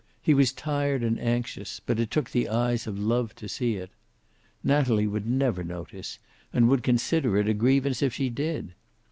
He was tired and anxious, but it took the eyes of love to see it. Natalie would never notice, and would consider it a grievance if she did.